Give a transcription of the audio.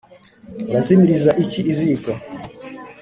urazimiriza iki iziko’